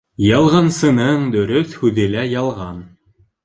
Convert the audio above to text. Ялғансының дөрөҫ һүҙе лә ялған.